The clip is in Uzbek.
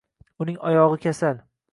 Uning oyog‘i kasal.